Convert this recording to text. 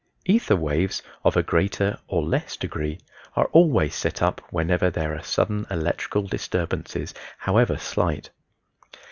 Ether waves of a greater or less degree are always set up whenever there are sudden electrical disturbances, however slight.